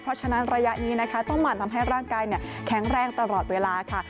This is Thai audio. ระยะนี้ต้องหมั่นทำให้ร่างกายแข็งแรงตลอดเวลาค่ะ